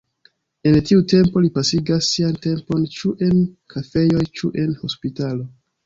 En tiu tempo li pasigas sian tempon ĉu en kafejoj ĉu en hospitalo.